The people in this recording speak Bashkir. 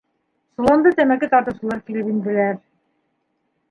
Соланда тәмәке тартыусылар килеп инделәр.